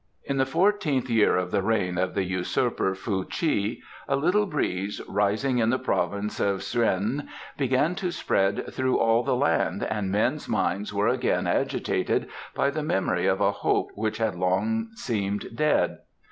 In the fourteenth year of the reign of the usurper Fuh chi a little breeze rising in the Province of Sz chuen began to spread through all the land and men's minds were again agitated by the memory of a hope which had long seemed dead.